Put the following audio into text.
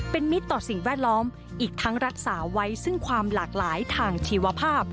เป็นมิตรต่อสิ่งแวดล้อมอีกทั้งรักษาไว้ซึ่งความหลากหลายทางชีวภาพ